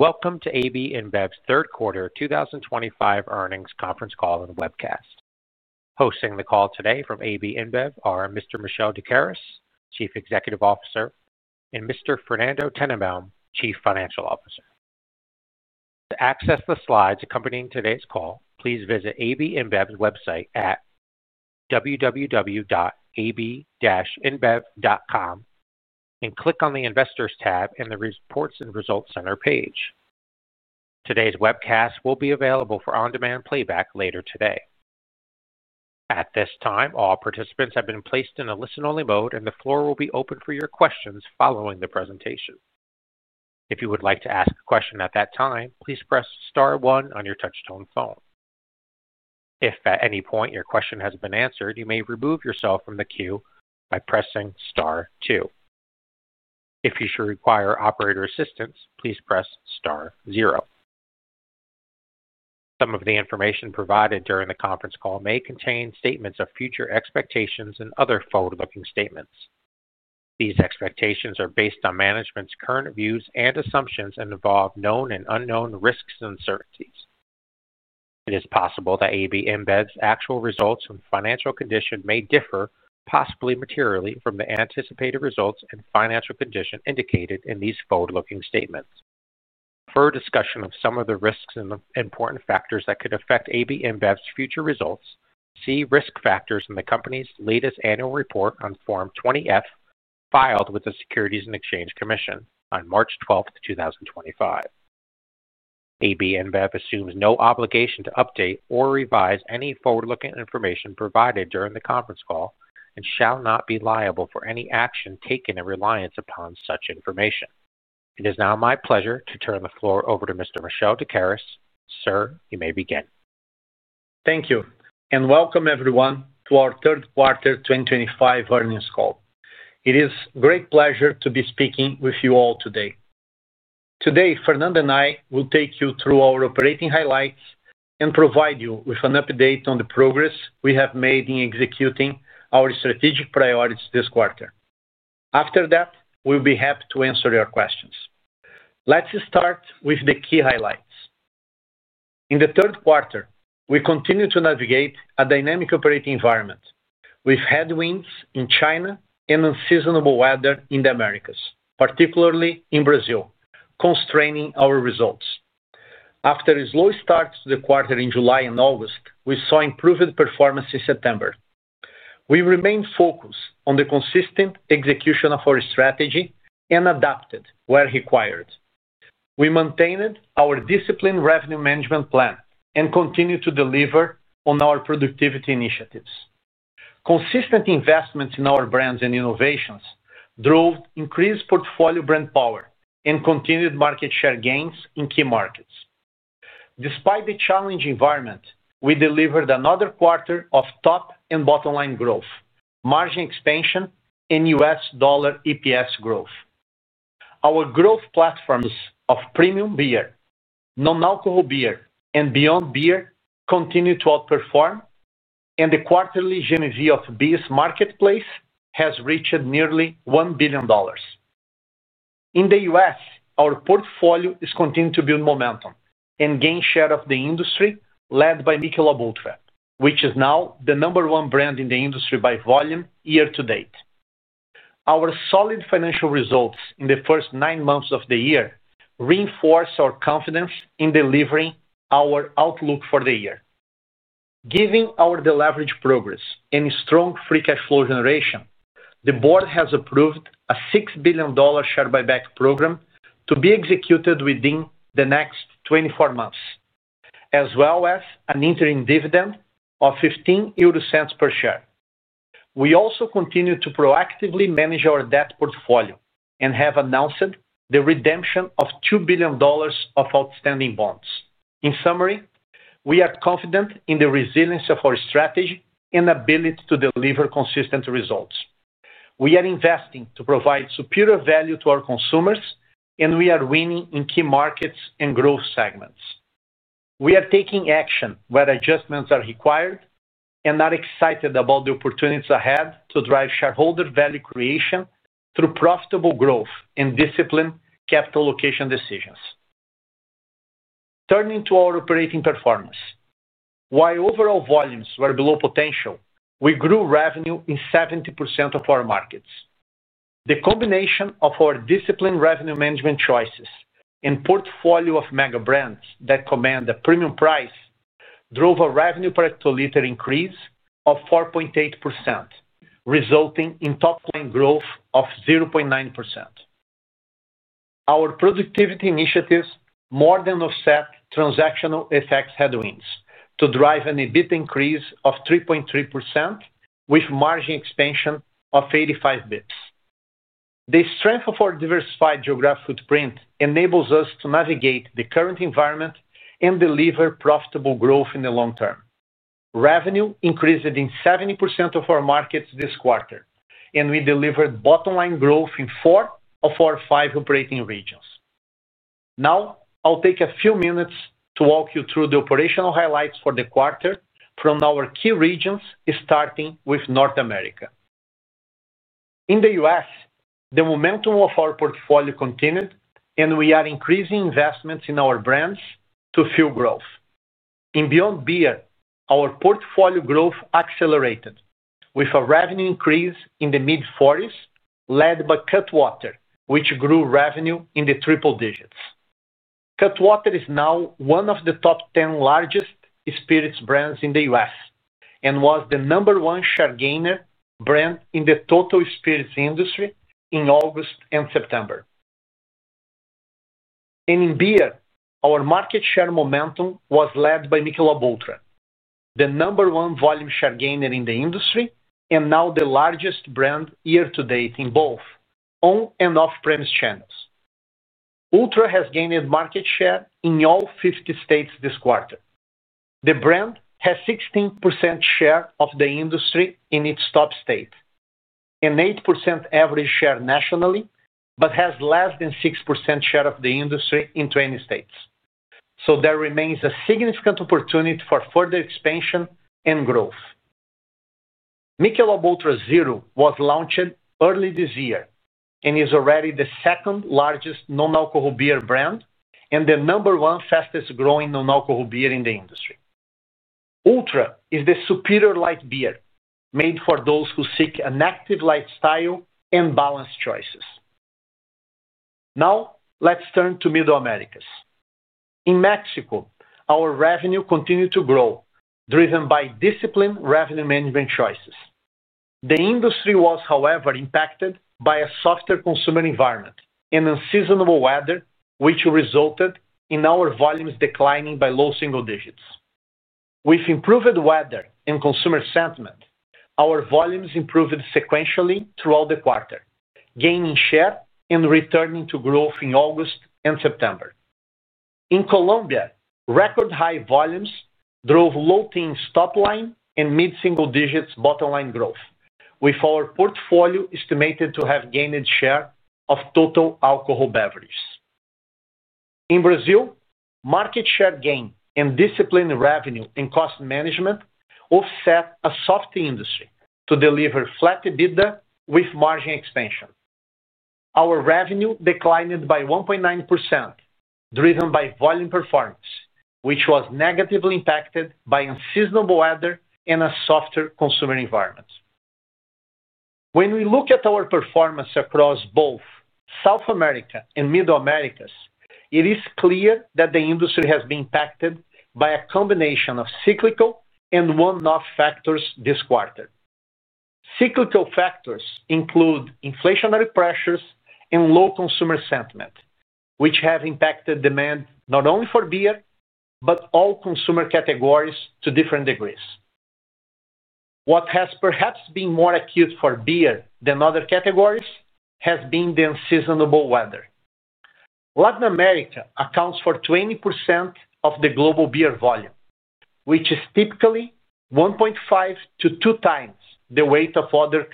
Welcome to AB InBev's third quarter 2025 earnings conference call and webcast. Hosting the call today from AB InBev are Mr. Michel Doukeris, Chief Executive Officer, and Mr. Fernando Tennenbaum, Chief Financial Officer. To access the slides accompanying today's call, please visit AB InBev's website at www.ab-inbev.com and click on the Investors tab in the Reports and Results Center page. Today's webcast will be available for on demand playback later today. At this time, all participants have been placed in a listen-only mode and the floor will be open for your questions following the presentation. If you would like to ask a question at that time, please press star one on your touchtone phone. If at any point your question has been answered, you may remove yourself from the queue by pressing two. If you should require operator assistance, please press zero. Some of the information provided during the conference call may contain statements of future expectations and other forward-looking statements. These expectations are based on management's current views and assumptions and involve known and unknown risks and uncertainties. It is possible that AB InBev's actual results and financial condition may differ, possibly materially, from the anticipated results and financial condition indicated in these forward-looking statements. For a discussion of some of the risks and important factors that could affect AB InBev's future results, see Risk Factors in the company's latest annual report on Form 20-F filed with the Securities and Exchange Commission on March 12, 2025. AB InBev assumes no obligation to update or revise any forward-looking information provided during the conference call and shall not be liable for any action taken in reliance upon such information. It is now my pleasure to turn the floor over to Mr. Michel Doukeris. Sir, you may begin. Thank you and welcome everyone to our third quarter 2025 earnings call. It is great pleasure to be speaking with you all today. Today, Fernando and I will take you through our operating highlights and provide you with an update on the progress we have made in executing our strategic priorities. After that, we'll be happy to answer your questions. Let's start with the key highlights. In the third quarter, we continue to navigate a dynamic operating environment with headwinds in China and unseasonable weather in the Americas, particularly in Brazil, constraining our results. After a slow start to the quarter in July and August, we saw improved performance in September. We remain focused on the consistent execution of our strategy and adapted where required. We maintained our disciplined revenue management plan and continued to deliver on our productivity initiatives. Consistent investments in our brands and innovations drove increased portfolio brand power and continued market share gains in key markets. Despite the challenging environment, we delivered another quarter of top and bottom-line growth, margin expansion, and U.S. dollar EPS growth. Our growth platforms of premium beer, non-alcohol beer, and beyond beer continue to outperform, and the quarterly GMV of BEES marketplace has reached nearly $1 billion. In the U.S., our portfolio is continuing to build momentum and gain share of the industry, led by Michelob ULTRA, which is now the number one brand in the industry by volume year-to-date. Our solid financial results in the first nine months of the year reinforce our confidence in delivering our outlook for the year, given our deleveraging progress and strong free cash flow generation. The Board has approved a $6 billion share buyback program to be executed within the next 24 months, as well as an interim dividend of 0.15 per share. We also continue to proactively manage our debt portfolio and have announced the redemption of $2 billion of outstanding bonds. In summary, we are confident in the resilience of our strategy and ability to deliver consistent results. We are investing to provide superior value to our consumers, and we are winning in key markets and growth segments. We are taking action where adjustments are required and are excited about the opportunities ahead to drive shareholder value creation through profitable growth and disciplined capital allocation decisions. Turning to our operating performance, while overall volumes were below potential, we grew revenue in 70% of our markets. The combination of our disciplined revenue management choices and portfolio of mega brands that command a premium price drove a revenue per hectoliter increase of 4.8%, resulting in top-line growth of 0.9%. Our productivity initiatives more than offset transactional FX headwinds to drive an EBITDA increase of 3.3% with margin expansion of 85 bps. The strength of our diversified geographic footprint enables us to navigate the current environment and deliver profitable growth in the long term. Revenue increased in 70% of our markets this quarter, and we delivered bottom-line growth in four of our five operating regions. Now I'll take a few minutes to walk you through the operational highlights for the quarter from our key regions, starting with North America. In the U.S., the momentum of our portfolio continued, and we are increasing investments in our brands to fuel growth in beyond beer. Our portfolio growth accelerated with a revenue increase in the mid-40s led by Cutwater, which grew revenue in the triple digits. Cutwater is now one of the top 10 largest spirits brands in the U.S. and was the number one share gainer brand in the total spirits industry in August and September. In beer, our market share momentum was led by Michelob ULTRA, the number one volume share gainer in the industry and now the largest brand year to date in both on and off-premise channels. ULTRA has gained market share in all 50 states this quarter. The brand has 16% share of the industry in its top state and 8% average share nationally, but has less than 6% share of the industry in 20 states, so there remains a significant opportunity for further expansion and growth. Michelob ULTRA ZERO was launched early this year and is already the second largest non-alcohol beer brand and the number one fastest growing non-alcohol beer in the industry. ULTRA is the superior light beer made for those who seek an active lifestyle and balanced choices. Now let's turn to Middle Americas. In Mexico, our revenue continued to grow, driven by disciplined revenue management choices. The industry was, however, impacted by a softer consumer environment and unseasonable weather, which resulted in our volumes declining by low single digits. With improved weather and consumer sentiment, our volumes improved sequentially throughout the quarter, gaining share and returning to growth in August and September. In Colombia, record high volumes drove low teens top-line and mid single digits bottom-line growth, with our portfolio estimated to have gained share of total alcohol beverages. In Brazil, market share gain and disciplined revenue and cost management offset a soft industry to deliver flat EBITDA with margin expansion. Our revenue declined by 1.9% driven by volume performance, which was negatively impacted by unseasonable weather and a softer consumer environment. When we look at our performance across both South America and Middle Americas, it is clear that the industry has been impacted by a combination of cyclical and one-off factors this quarter. Cyclical factors include inflationary pressures and low consumer sentiment, which have impacted demand not only for beer but all consumer categories to different degrees. What has perhaps been more acute for beer than other categories has been the unseasonable weather. Latin America accounts for 20% of the global beer volume, which is typically 1.5x-2x the weight of other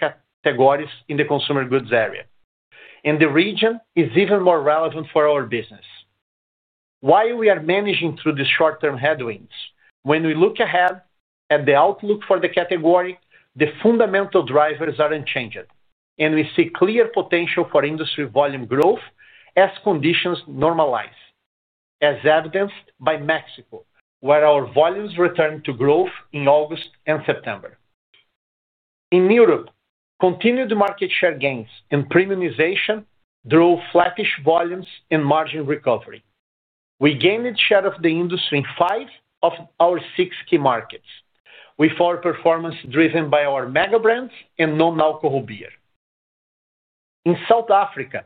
categories in the consumer goods area, and the region is even more relevant for our business while we are managing through the short-term headwinds. When we look ahead at the outlook for the category, the fundamental drivers are unchanged, and we see clear potential for industry volume growth as conditions normalize, as evidenced by Mexico where our volumes returned to growth in August and September. In Europe, continued market share gains and premiumization drove flattish volumes and margin recovery. We gained share of the industry in five of our six key markets, with our performance driven by our mega brands and non-alcohol beer. In South Africa,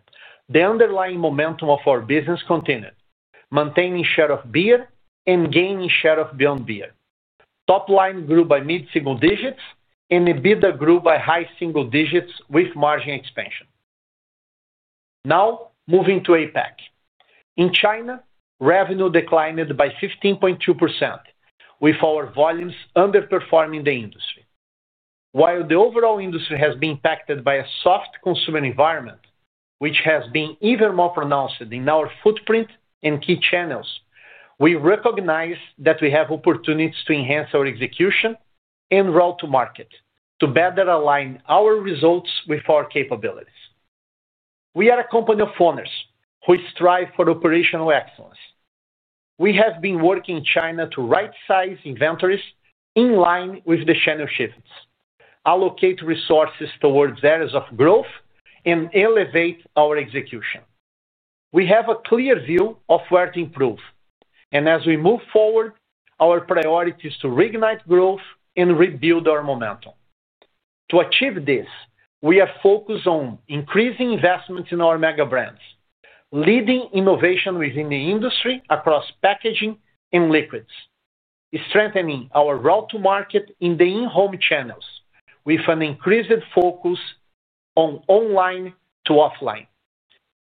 the underlying momentum of our business continued, maintaining share of beer and gaining share of beyond beer. Top-line grew by mid single digits and EBITDA grew by high single digits with margin expansion. Now moving to APAC. In China, revenue declined by 15.2% with our volumes underperforming the industry. While the overall industry has been impacted by a soft consumer environment, which has been even more pronounced in our footprint and key channels, we recognize that we have opportunities to enhance our execution and route to market to better align our results with our capabilities. We are a company of owners who strive for operational excellence. We have been working in China to right size inventories in line with the channel shifts, allocate resources towards areas of growth, and elevate our execution. We have a clear view of where to improve, and as we move forward, our priority is to reignite growth and rebuild our momentum. To achieve this, we are focused on increasing investments in our mega brands, leading innovation within the industry across packaging and liquids, strengthening our route to market in the in-home channels with an increased focus on online to offline,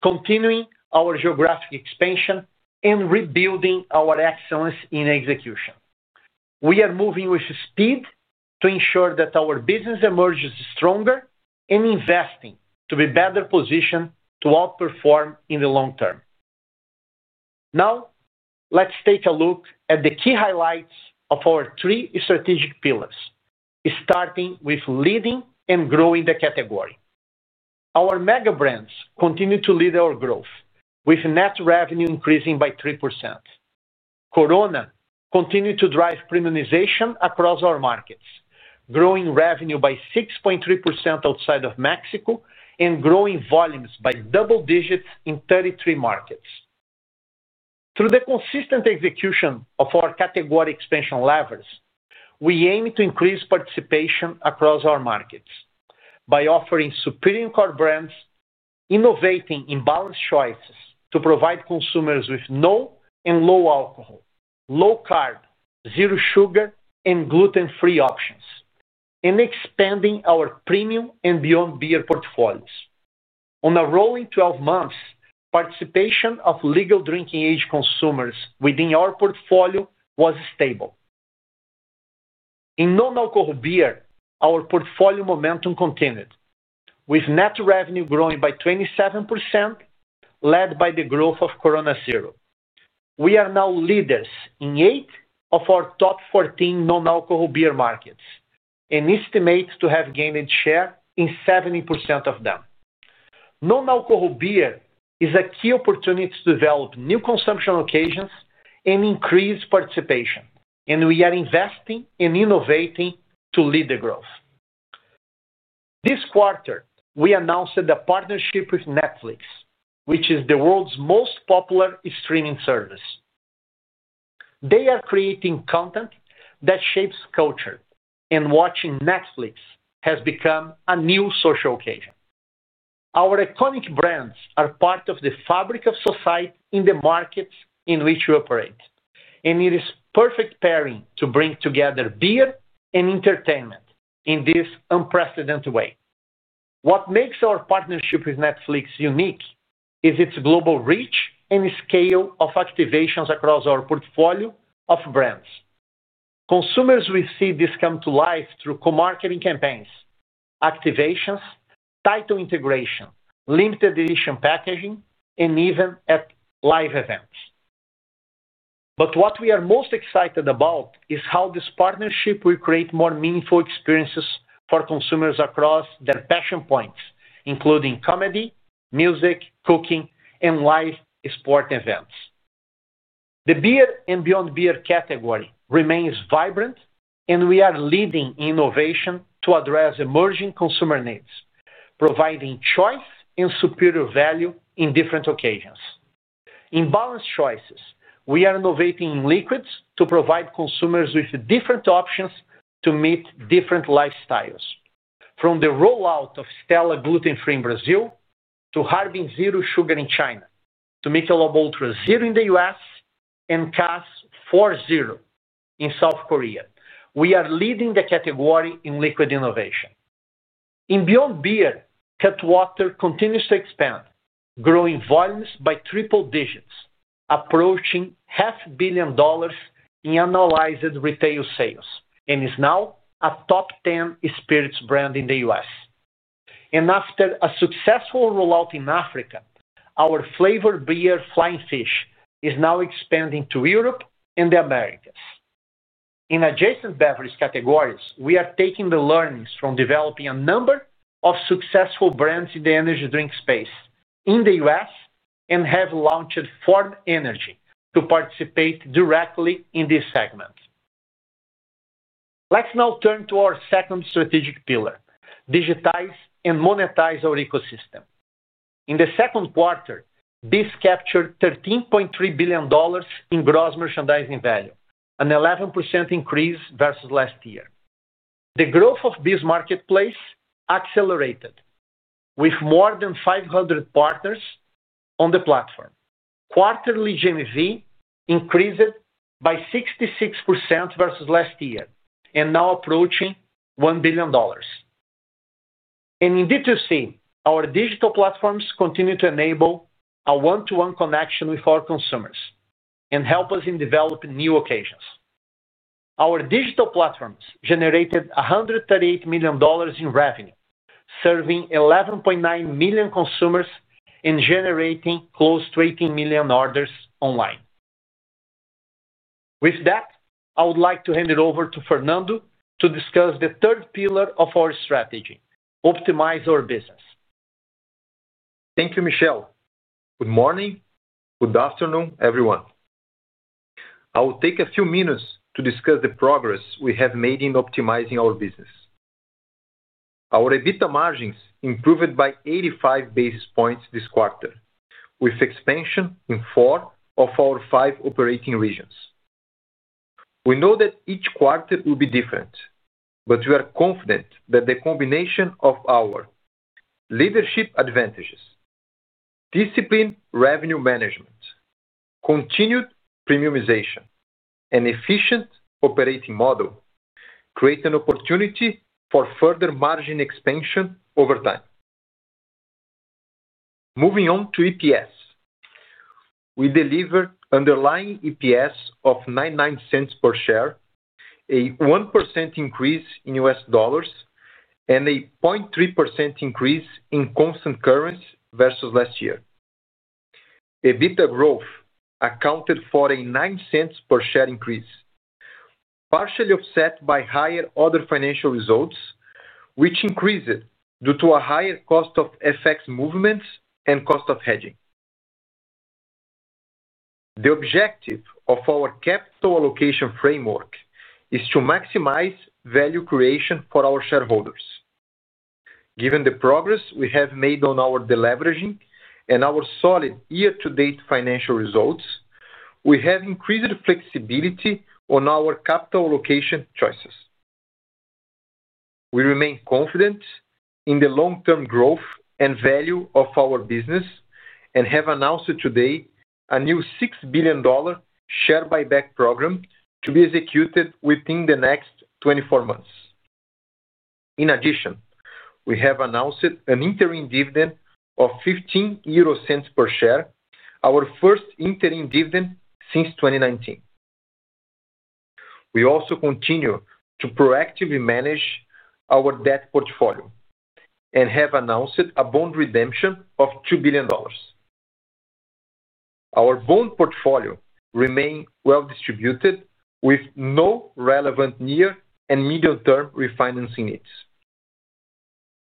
continuing our geographic expansion, and rebuilding our excellence in execution. We are moving with speed to ensure that our business emerges stronger and investing to be better positioned to outperform in the long term. Now let's take a look at the key highlights of our three strategic pillars, starting with leading and growing the category. Our mega brands continue to lead our growth with net revenue increasing by 3%. Corona continued to drive premiumization across our markets, growing revenue by 6.3% outside of Mexico and growing volumes by double digits in 33 markets. Through the consistent execution of our category expansion levers, we aim to increase participation across our markets by offering supreme core brands, innovating in balanced choices to provide consumers with no and low alcohol, low carb, zero sugar, and gluten free options, and expanding our premium and beyond beer portfolios. On a rolling 12 months, participation of legal drinking age consumers within our portfolio was stable in non alcohol beer. Our portfolio momentum continued with net revenue growing by 27%, led by the growth of Corona Cero. We are now leaders in eight of our top 14 non alcohol beer markets and estimate to have gained share in 70% of them. Non alcohol beer is a key opportunity to develop new consumption occasions and increase participation, and we are investing and innovating to lead the growth. This quarter, we announced a partnership with Netflix, which is the world's most popular streaming service. They are creating content that shapes culture, and watching Netflix has become a new social occasion. Our iconic brands are part of the fabric of society in the markets in which we operate, and it is a perfect pairing to bring together beer and entertainment in this unprecedented way. What makes our partnership with Netflix unique is its global reach and scale of activations across our portfolio of brands. Consumers will see this come to life through co-marketing campaigns, activations, title integration, limited edition packaging, and even at live events. What we are most excited about is how this partnership will create more meaningful experiences for consumers across their passion points, including comedy, music, cooking, and live sport events. The Beer and Beyond Beer category remains vibrant, and we are leading innovation to address emerging consumer needs, providing choice and superior value in different occasions and balanced choices. We are innovating liquids to provide consumers with different options to meet different lifestyles. From the rollout of Stella gluten free in Brazil to Harbin Zero Sugar in China to Michelob ULTRA ZERO in the U.S. and Cass 4.0 in South Korea, we are leading the category in liquid innovation in Beyond Beer. Cutwater continues to expand, growing volumes by triple digits, approaching half a billion dollars in annualized retail sales, and is now a top 10 spirits brand in the U.S. After a successful rollout in Africa, our flavored beer Flying Fish is now expanding to Europe and the Americas in adjacent beverage categories. We are taking the learnings from developing a number of successful brands in the energy drink space in the U.S. and have launched Phorm Energy to participate directly in this segment. Let's now turn to our second strategic pillar, digitize and monetize our ecosystem. In the second quarter, BIS captured $13.3 billion in gross merchandising value, an 11% increase versus last year. The growth of BEES marketplace accelerated with more than 500 partners on the platform quarterly. Gen Cross increased by 66% versus last year and is now approaching $1 billion. In D2C, our digital platforms continue to enable a one-to-one connection with our consumers and help us in developing new occasions. Our digital platforms generated $138 million in revenue, serving 11.9 million consumers and generating close to 18 million orders online. With that, I would like to hand it over to Fernando to discuss the third pillar of our strategy, Optimize Our Business. Thank you, Michel. Good morning. Good afternoon, everyone. I will take a few minutes to discuss the progress we have made in optimizing our business. Our EBITDA margins improved by 85 basis points this quarter, with expansion in four of our five operating regions. We know that each quarter will be different, but we are confident that the combination of our leadership advantages, disciplined revenue management, continued premiumization, and efficient operating model create an opportunity for further margin expansion over time. Moving on to EPS, we delivered underlying EPS of $0.99 per share, a 1% increase in U.S. dollars and a 0.3% increase in constant currency versus last year. EBITDA growth accounted for a $0.09 per share increase, partially offset by higher other financial results, which increased due to a higher cost of FX movements and. Cost of hedging. The objective of our capital allocation framework is to maximize value creation for our shareholders. Given the progress we have made on our deleveraging and our solid year to date financial results, we have increased flexibility on our capital allocation choices. We remain confident in the long term growth and value of our business and have announced today a new $6 billion share buyback program to be executed within the next 24 months. In addition, we have announced an interim dividend of 0.15 per share, our first interim dividend since 2019. We also continue to proactively manage our debt portfolio and have announced a bond redemption of $2 billion. Our bond portfolio remains well distributed with no relevant near and medium term refinancing needs.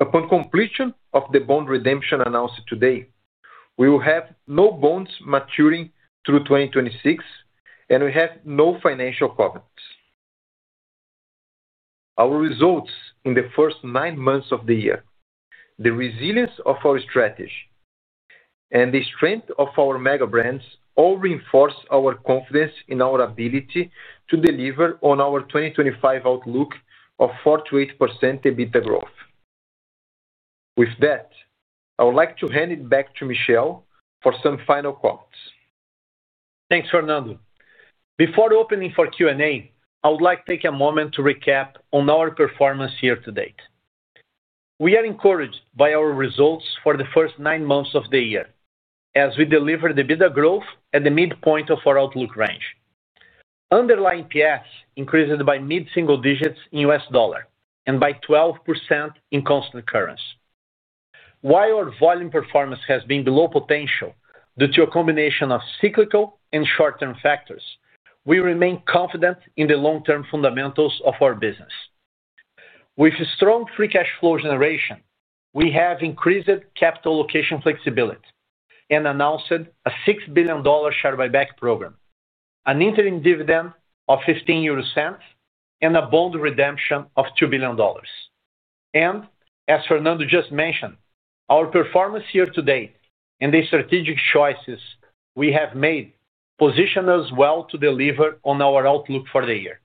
Upon completion of the bond redemption announced today, we will have no bonds maturing through 2026 and we have no financial covenants. Our results in the first nine months of the year, the resilience of our strategy and the strength of our mega brands all reinforce our confidence in our ability to deliver on our 2025 outlook of 4%-8% EBITDA growth. With that, I would like to hand it back to Michel for some final comments. Thanks, Fernando. Before opening for Q&A, I would like to take a moment to recap on our performance year to date. We are encouraged by our results for the first nine months of the year as we delivered EBITDA growth at the midpoint of our outlook range. Underlying P's increased by mid single digits in U.S. dollar and by 12% in constant currency. While our volume performance has been below potential due to a combination of cyclical and short term factors, we remain confident in the long term fundamentals of our business. With strong free cash flow generation, we have increased capital allocation flexibility and announced a $6 billion share buyback program, an interim dividend of $0.15 and a bond redemption of $2 billion. As Fernando just mentioned, our performance year-to-date and the strategic choices we have made position us well to deliver on our outlook for the year.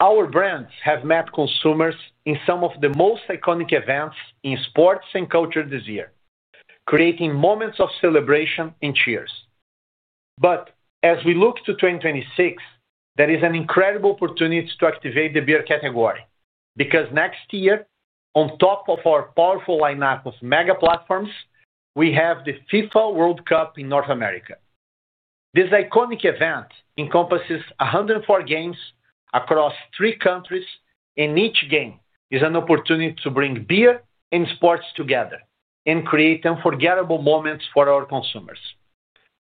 Our brands have met consumers in some of the most iconic events in sports and culture this year, creating moments of celebration and cheers. As we look to 2026, there is an incredible opportunity to activate the beer category because next year, on top of our powerful lineup of mega platforms, we have the FIFA World Cup in North America. This iconic event encompasses 104 games across three countries. Each game is an opportunity to bring beer and sports together and create unforgettable moments for our consumers.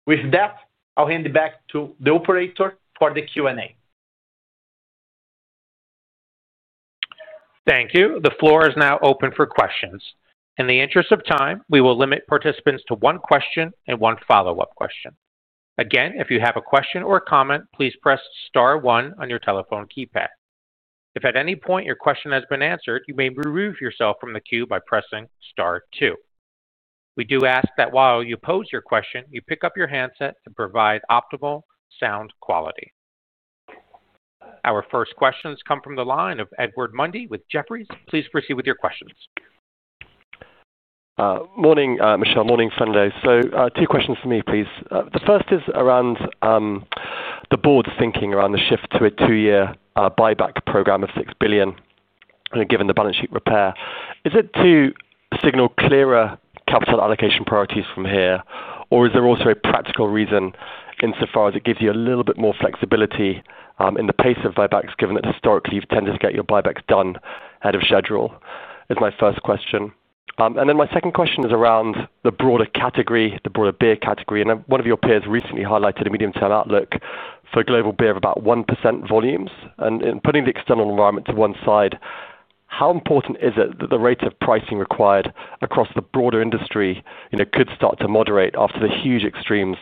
With that, I'll hand it back to the operator for the Q&A. Thank you. The floor is now open for questions. In the interest of time, we will limit participants to one question and one follow up question. If you have a question or comment, please press star one on your telephone keypad. If at any point your question has been answered, you may remove yourself from the queue by pressing star two. We do ask that while you pose your question, you pick up your handset to provide optimal sound quality. Our first questions come from the line of Edward Mundy with Jefferies. Please proceed with your questions. Morning, Michel. Morning, Fernando. Two questions for me please. The first is around the board's thinking around the shift to a two-year buyback program of $6 billion. Given the balance sheet repair, is it to signal clearer capital allocation priorities from here? Is there also a practical reason insofar as it gives you a little bit more flexibility in the pace of buybacks, given that historically you've tended to get your buybacks done ahead of schedule? That is my first question. My second question is around the broader category, the broader beer category. One of your peers recently highlighted a medium-term outlook for global beer of about 1% volumes. Putting the external environment to one side, how important is it that the rate of pricing required across the broader industry could start to moderate after the huge extremes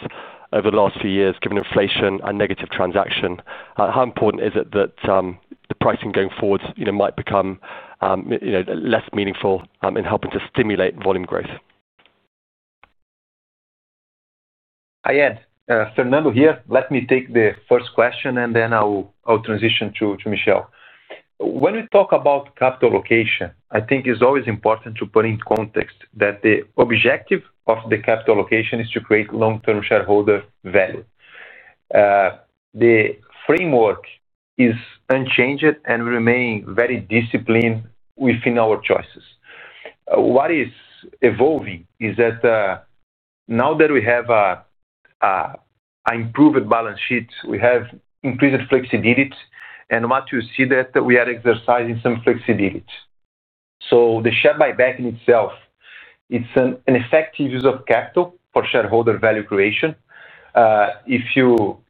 over the last few years given inflation and negative transaction? How important is it that the pricing going forward might become less meaningful in helping to stimulate volume growth? Hi Fernando. Here, let me take the first question and then I will transition to Michel. When we talk about capital allocation, I think it's always important to put in context that the objective of the capital allocation is to create long term shareholder value. The framework is unchanged and remains very disciplined within our choices. What is evolving is that now that we have an improved balance sheet, we have increased flexibility and what you see is that we are exercising some flexibility. The share buyback in itself is an effective use of capital for shareholder value creation. If you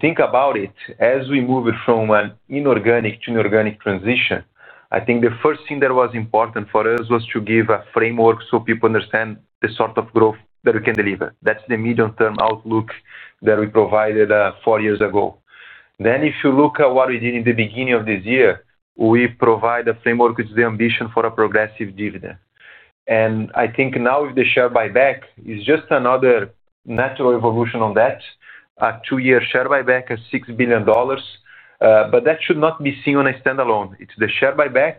think about it as we move from an inorganic to inorganic transition, I think the first thing that was important for us was to give a framework so people understand the sort of growth that we can deliver. That's the medium term outlook that we provided four years ago. If you look at what we did in the beginning of this year, we provide a framework with the ambition for a progressive dividend. I think now the share buyback is just another natural evolution on that, a two year share buyback of $6 billion, but that should not be seen on a standalone basis. It's the share buyback,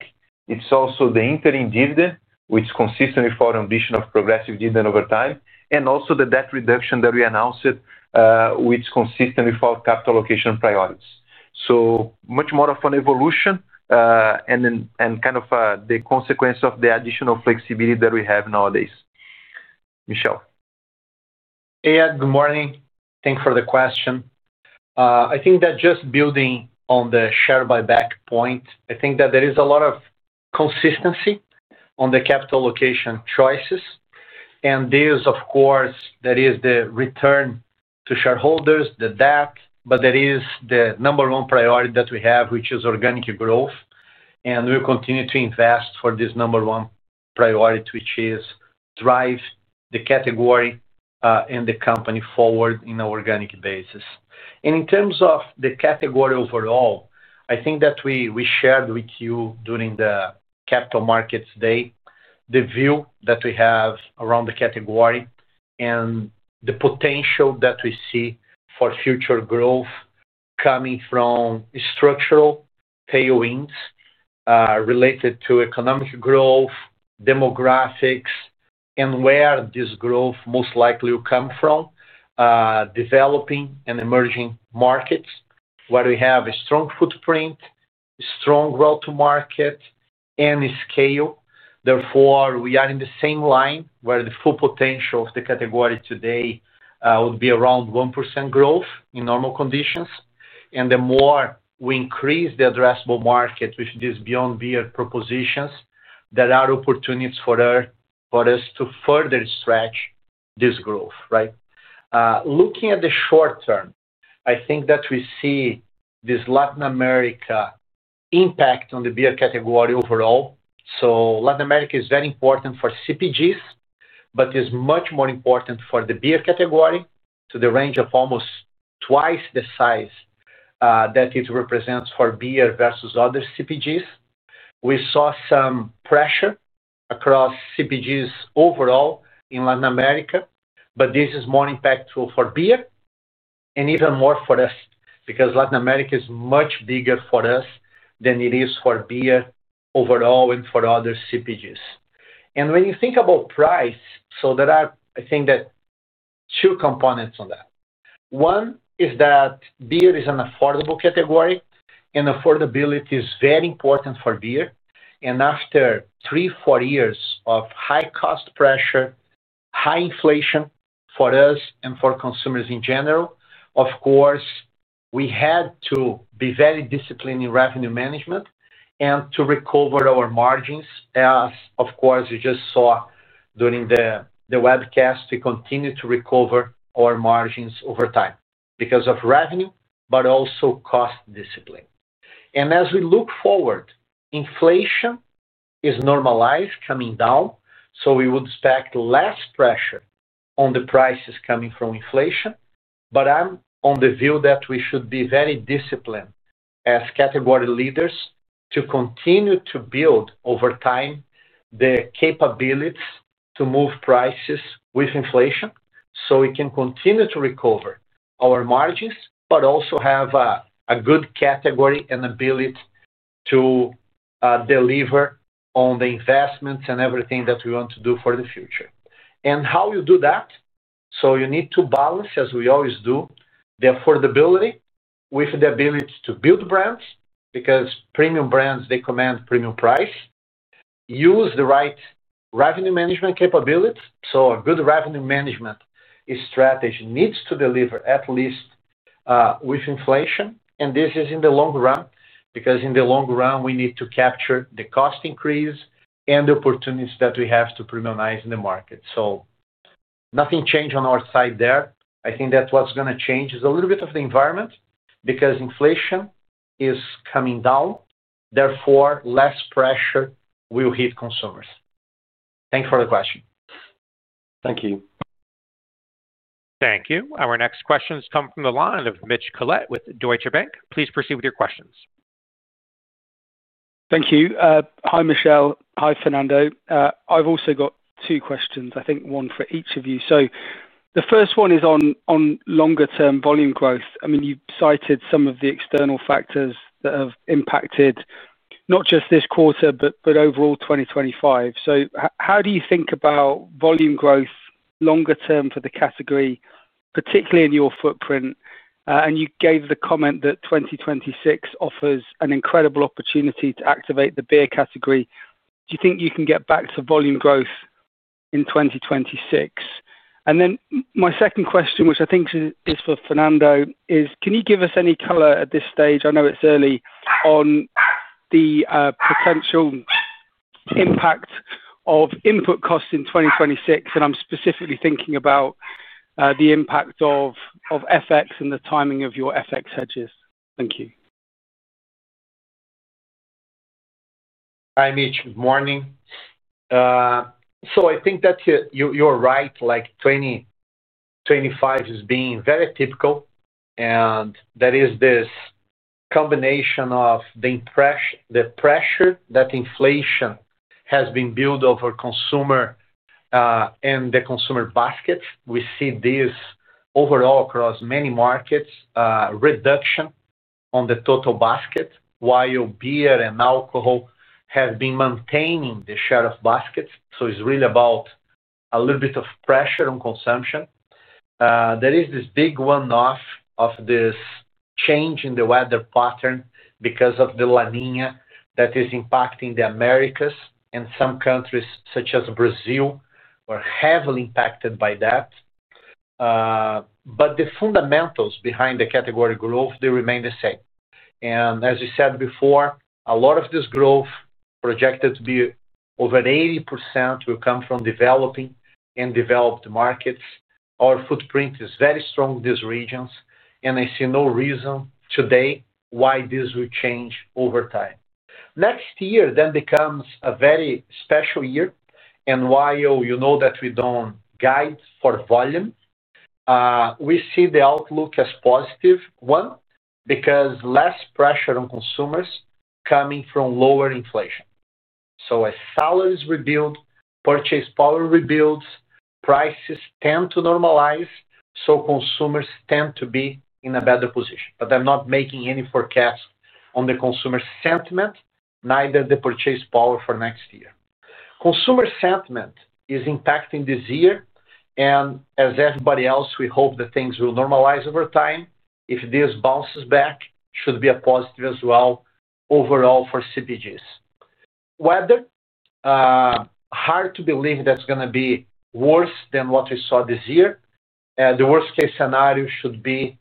it's also the interim dividend which is consistent with our ambition of progressive dividend over time and also the debt reduction that we announced which is consistent with our capital allocation priorities. Much more of an evolution and kind of the consequence of the additional flexibility that we have nowadays. Michel here, good morning. Thanks for the question. I think that just building on the share buyback point, there is a lot of consistency on the capital allocation choices and this, of course, is the return to shareholders, the debt, but that is the number one priority that we have, which is organic growth. We'll continue to invest for this number one priority, which is drive the category and the company forward on an organic basis. In terms of the category overall, I think that we shared with you during the capital markets day the view that we have around the category and the potential that we see for future growth coming from structural tailwinds related to economic growth, demographics, and where this growth most likely will come from developing and emerging markets where we have a strong footprint, strong growth to market, and scale. Therefore, we are in the same line where the full potential of the category today would be around 1% growth in normal conditions. The more we increase the addressable market with these beyond beer propositions, there are opportunities for us to further stretch this growth, right? Looking at the short term, I think that we see this Latin America impact on the beer category overall. Latin America is very important for CPGs, but is much more important for the beer category to the range of almost twice the size that it represents for beer versus other CPGs. We saw some pressure across CPGs overall in Latin America, but this is more impactful for beer and even more for us because Latin America is much bigger for us than it is for beer overall and for other CPGs. When you think about price, I think that there are two components on that. One is that beer is an affordable category and affordability is very important for beer. After three, four years of high cost pressure, high inflation for us and for consumers in general, of course we had to be very disciplined in revenue management and to recover our margins, as you just saw during the webcast, to continue to recover our margins over time because of revenue but also cost discipline. As we look forward, inflation is normalized, coming down, so we would expect less pressure on the prices coming from inflation. I'm of the view that we should be very disciplined as category leaders to continue to build over time the capabilities to move prices with inflation so we can continue to recover our margins, but also have a good category and ability to deliver on the investments and everything that we want to do for the future and how you do that. You need to balance, as we always do, the affordability with the ability to build brands, because premium brands, they command premium price, use the right revenue management capabilities. A good revenue management strategy needs to deliver at least with inflation. This is in the long run, because in the long run we need to capture the cost increase and the opportunities that we have to premiumize in the market. Nothing changed on our side there. I think that what's going to change is a little bit of the environment because inflation is coming down, therefore less pressure will hit consumers. Thanks for the question. Thank you. Thank you. Our next questions come from the line of Mitch Collett with Deutsche Bank. Please proceed with your questions. Thank you. Hi, Michel. Hi, Fernando. I've also got two questions, I think one for each of you. The first one is on longer term volume growth. I mean, you cited some of the external factors that have impacted not just this quarter, but overall 2025. How do you think about volume growth longer term for the category, particularly in your footprint? You gave the comment that 2026 offers an incredible opportunity to activate the beer category. Do you think you can get back to volume growth in 2026? My second question, which I think is for Fernando, is can you give us any color at this stage? I know it's early on the potential impact of input costs in 2026. I'm specifically thinking about the impact of FX and the timing of your FX hedges. Thank you. Hi, Mitch. Good morning. I think that you're right, like 2025 is being very typical and that is this combination of the pressure that inflation has been built over consumer and the consumer baskets. We see this overall across many markets, reduction on the total basket, while beer and alcohol has been maintaining the share of baskets. It's really about a little bit of pressure on consumption. There is this big one-off of this change in the weather pattern because of the La Niña that is impacting the Americas. Some countries such as Brazil were heavily impacted by that. The fundamentals behind the category growth remain the same. As we said before, a lot of this growth, projected to be over 80%, will come from developing and developed markets. Our footprint is very strong in these regions and I see no reason today why this will change over time. Next year then becomes a very special year. While you know that we don't guide for volume, we see the outlook as a positive one because there is less pressure on consumers coming from lower inflation. As salaries rebuild, purchase power rebuilds, prices tend to normalize. Consumers tend to be in a better position. I'm not making any forecast on the consumer sentiment, neither the purchase power for next year. Consumer sentiment is impacting this year and as everybody else, we hope that things will normalize over time. If this bounces back, it should be a positive as well. Overall for CPGs, it's hard to believe that's going to be worse than what we saw this year. The worst case scenario should be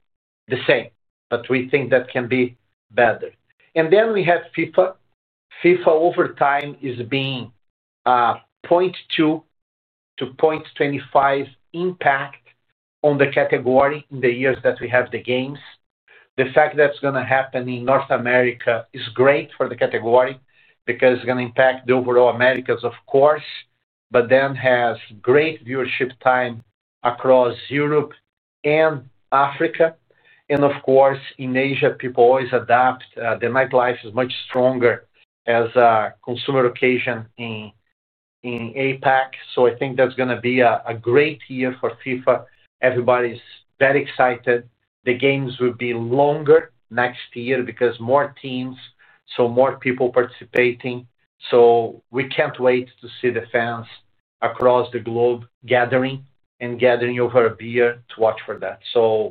the same, but we think that can be better. Then we have FIFA. FIFA over time is being $0.20-$0.25 impact on the category in the years that we have the games. The fact that's going to happen in North America is great for the category because it's going to impact the overall Americas, of course, but then has great viewership time across Europe and Africa and of course in Asia. People always adapt. The nightlife is much stronger as a consumer occasion in APAC. I think that's going to be a great year for FIFA. Everybody's very excited. The games will be longer next year because more teams, so more people participating. We can't wait to see the fans across the globe gathering and gathering over a beer to watch for that. We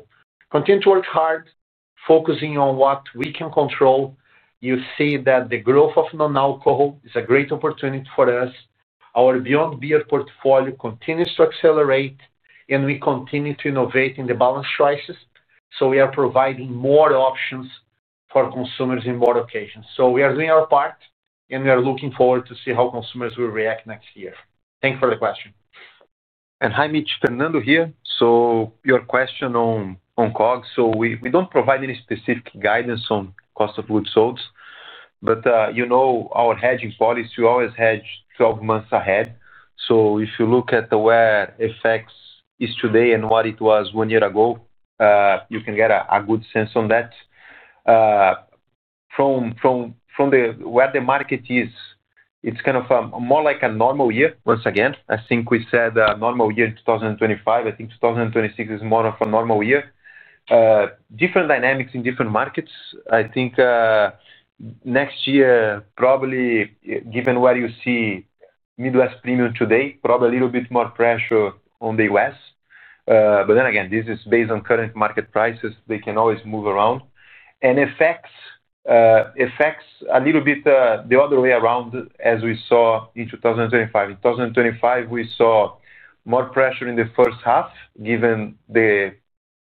continue to work hard focusing on what we can control. You see that the growth of non-alcohol is a great opportunity for us. Our beyond beer portfolio continues to accelerate and we continue to innovate in the balance choices. We are providing more options for consumers in more occasions. We are doing our part and we are looking forward to see how consumers will react next year. Thanks for the question and hi Mitch, Fernando here. Your question on cogs. We don't provide any specific guidance on cost of goods sold, but you know our hedging policy always hedge 12 months ahead. If you look at where FX is today and what it was one year ago, you can get a. Good sense on that. From where the market is, it's kind of more like a normal year. Once again, I think we said normal year in 2025. I think 2026 is more of a normal year. Different dynamics in different markets, I think next year probably given where you see Midwest premium today, probably a little bit more pressure on the U.S., but then again, this is based on current market prices. They can always move around and effects a little bit the other way around as we saw in 2025. In 2025, we saw more pressure in the first half given the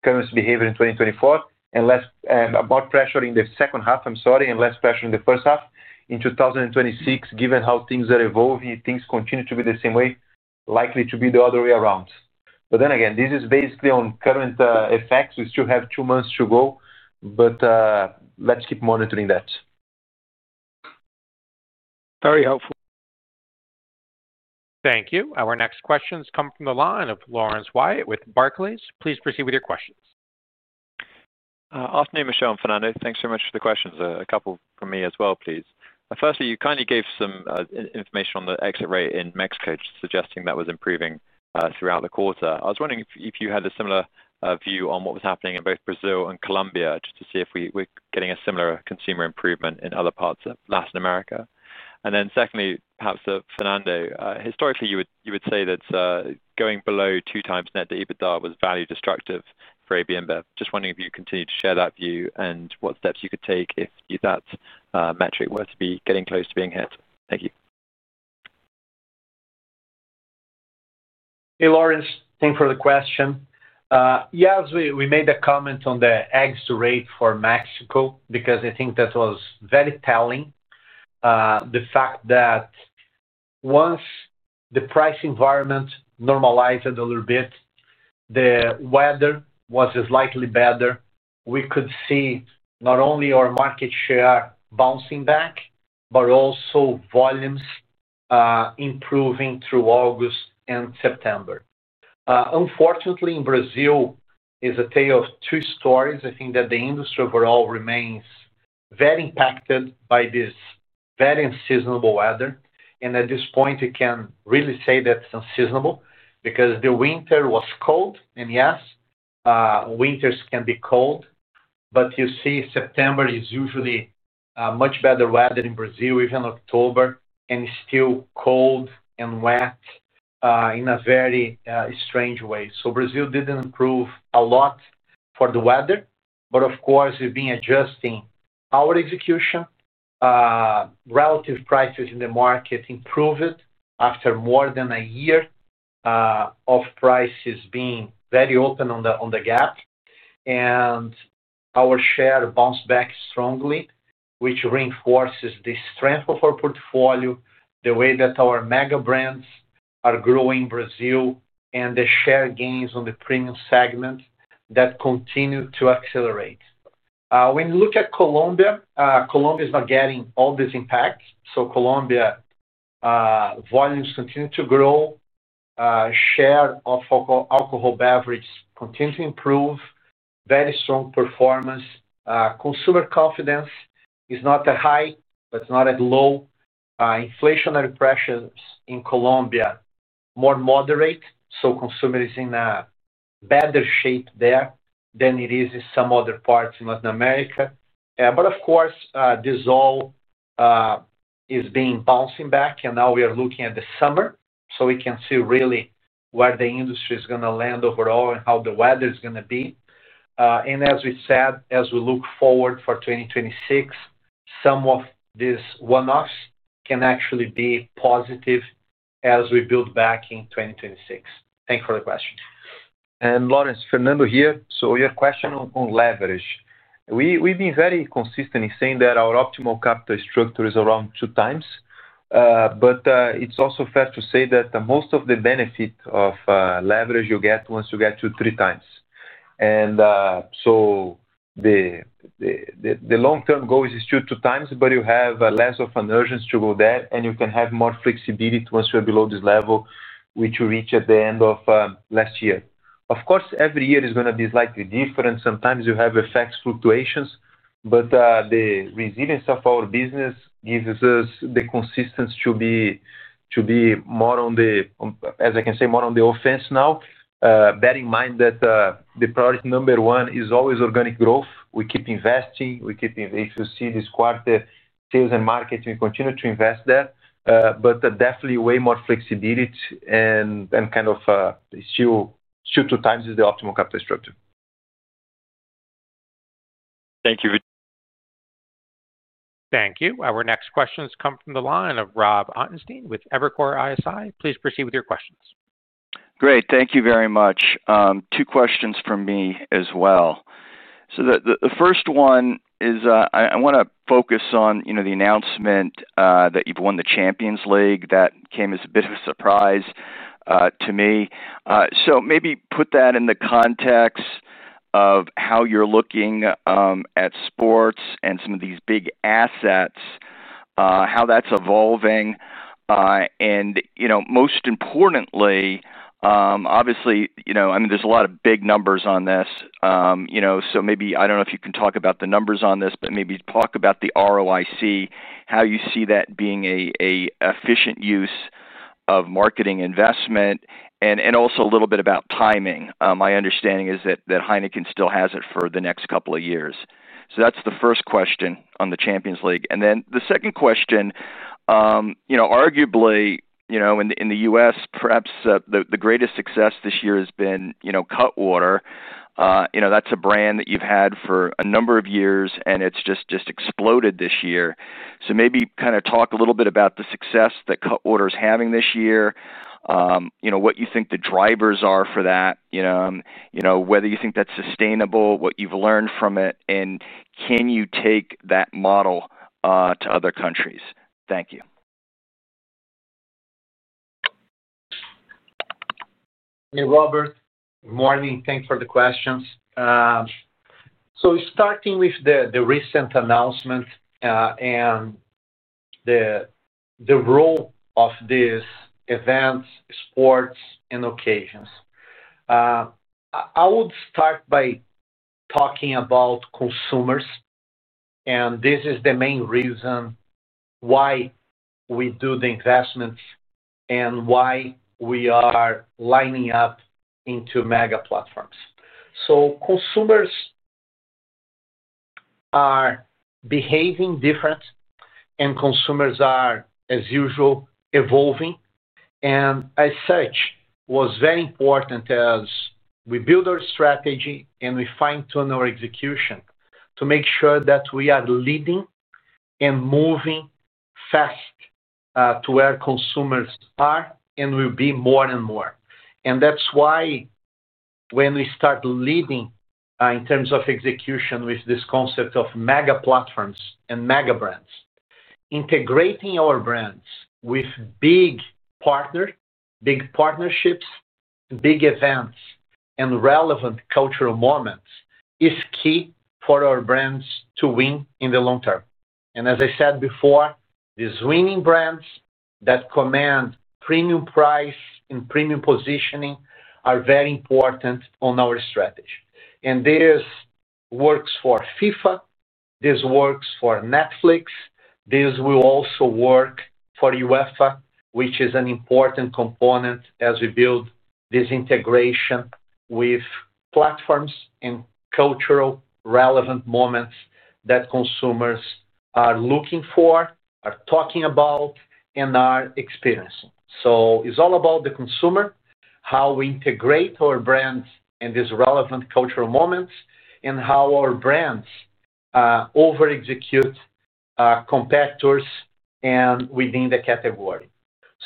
currency behavior in 2024 and more pressure in the second half. I'm sorry, and less pressure in the first half. In 2026, given how things are evolving, things continue to be the same way. Likely to be the other way around, but then again, this is basically on current effects. We still have two months to go, but let's keep monitoring that. Very helpful. Thank you. Our next questions come from the line of Laurence Whyatt with Barclays. Please proceed with your questions. Afternoon, Michel and Fernando, thanks very much for the questions. A couple from me as well, please. Firstly, you kindly gave some information on the exit rate in Mexico suggesting that. Was improving throughout the quarter. I was wondering if you had a similar view on what was happening in both Brazil and Colombia just to see if we're getting a similar consumer improvement in other parts of Latin America. Secondly, perhaps Fernando, historically you would say that going below 2x net to EBITDA was value destructive for AB InBev. Just wondering if you continue to share that view and what steps you could take if that metric were to be getting close to being hit. Thank you. Hey Laurence, thanks for the question. Yes, we made a comment on the exit rate for Mexico because I think that was very telling. The fact that once the price environment normalized a little bit, the weather was slightly better. We could see not only our market share bouncing back, but also volumes improving through August and September. Unfortunately, in Brazil it is a tale of two stories. I think that the industry overall remains very impacted by this very unseasonable weather. At this point, it can really be said that's unseasonable because the winter was cold. Yes, winters can be cold, but you see September is usually much better weather in Brazil, even October, and still cold and wet in a very strange way. Brazil didn't improve a lot for the weather. Of course, we've been adjusting our execution. Relative prices in the market improved after more than a year of prices being very open on the gap, and our share bounced back strongly, which reinforces the strength of our portfolio. The way that our mega brands are growing in Brazil and the share gains on the premium segment that continue to accelerate. When you look at Colombia, Colombia is not getting all this impact. Colombia volumes continue to grow, share of alcohol beverages continue to improve, very strong performance. Consumer confidence is not that high, but not as low. Inflationary pressures in Colombia are more moderate, so consumer is in better shape there than it is in some other parts in Latin America. Of course, this all is bouncing back and now we are looking at the summer so we can see really where the industry is going to land overall and how the weather is going to be. As we said, as we look forward for 2026, some of these one offs can actually be positive as we build back in 2026. Thanks for the question and Laurence, Fernando here. Your question on leverage. We've been very consistently saying that our optimal capital structure is around 2x. It's also fair to say that most of the benefit of leverage you get once you get to 3x. The long term goal is still 2x, but you have less of an urgency to go there. You can have more flexibility once you're below this level, which we reached at the end of last year. Of course, every year is going to be slightly different. Sometimes you have effects, fluctuations, but the resilience of our business gives us the consistency to be more on the, as I can say, more on the offense. Now bear in mind that the product number one is always organic growth. We keep investing, we keep, if you see this quarter, sales and market, we continue to invest there, but definitely way more flexibility and kind of still 2x is the optimal capital structure. Thank you. Thank you. Our next questions come from the line of Robert Ottenstein with Evercore ISI. Please proceed with your questions. Great. Thank you very much. Two questions from me as well. The first one is I want to focus on the announcement that you've won the Champions League. That came as a bit of a surprise to me. Please put that in the context of how you're looking at sports and some of these big assets, how that's evolving. Most importantly, obviously there's a lot of big numbers on this. I don't know if you can talk about the numbers on this, but maybe talk about the ROI, how you see that being an efficient use of marketing investment, and also a little bit about timing. My understanding is that Heineken still has it for the next couple of years. That's the first question on the Champions League. The second question, arguably in the U.S., perhaps the greatest success this year has been Cutwater. That's a brand that you've had for a number of years and it's just exploded this year. Maybe talk a little bit about the success that Cutwater is having this year, what you think the drivers are for that, whether you think that's sustainable, what you've learned from it, and can you take that model to other countries? Thank you. Robert. Morning. Thanks for the questions. Starting with the recent announcement and the role of these events, sports and occasions, I would start by talking about consumers. This is the main reason why we do the investments and why we are lining up into mega platforms. Consumers are behaving different and consumers are as usual evolving. As such, it was very important as we build our strategy and we fine tune our execution to make sure that we are leading and moving fast to where consumers are and will be more and more. That is why when we start leading in terms of execution with this concept of mega platforms and mega brands, integrating our brands with big partner, big partnerships, big events and relevant cultural moments is key for our brands to win in the long term. As I said before, these winning brands that command premium price and premium positioning are very important on our strategy. This works for FIFA, this works for Netflix, this will also work for UEFA, which is an important component as we build this integration with platforms and culturally relevant moments that consumers are looking for, are talking about and are experiencing. It is all about the consumer, how we integrate our brands and these relevant cultural moments and how our brands over execute competitors within the category.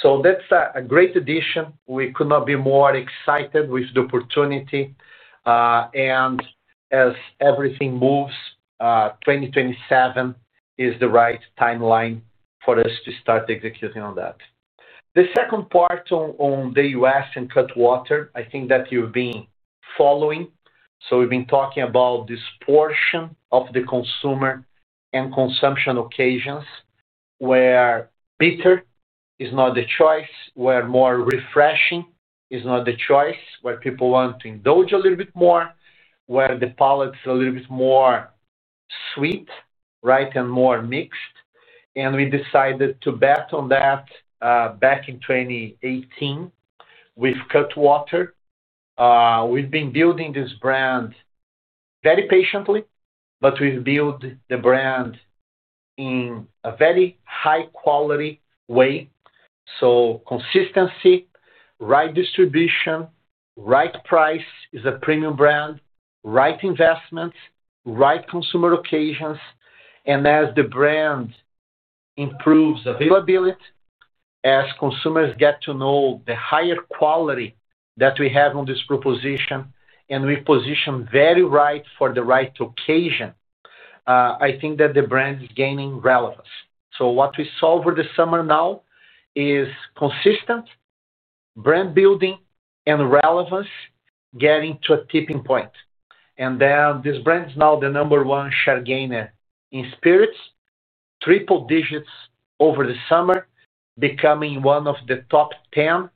That is a great addition. We could not be more excited with the opportunity. As everything moves, 2027 is the right timeline for us to start executing on that. The second part on the U.S. and Cutwater, I think that you have been following. We have been talking about this portion of the consumer and consumption occasions where bitter is not the choice, where more refreshing is not the choice, where people want to indulge a little bit more, where the palate is a little bit more sweet, right, and more mixed. We decided to bet on that back in 2018 with Cutwater. We have been building this brand very patiently, but we have built the brand in a very high quality way. Consistency, right distribution, right price as a premium brand, right investments, right consumer occasions. As the brand improves availability, as consumers get to know the higher quality that we have on this proposition and we position very right for the right occasion, I think that the brand is gaining relevance. What we saw over the summer now is consistent brand building and relevance getting to a tipping point. This brand is now the number one share gainer in spirits, triple digits over the summer, becoming one of the top 10